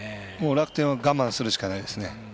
楽天は我慢するしかないですね。